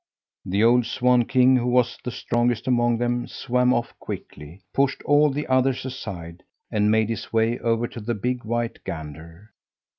The old swan king, who was the strongest among them, swam off quickly, pushed all the others aside, and made his way over to the big white gander.